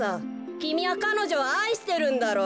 きみはかのじょをあいしてるんだろう？